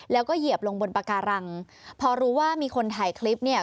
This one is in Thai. แล้วก็เหยียบลงบนปากการังพอรู้ว่ามีคนถ่ายคลิปเนี่ย